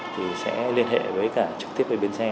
thì sẽ liên hệ với cả trực tiếp với bến xe